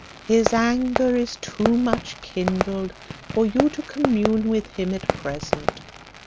His anger is too much kindled for you to commune with him at present.